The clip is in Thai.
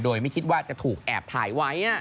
โดยไม่คิดว่าจะถูกแอบถ่ายไว้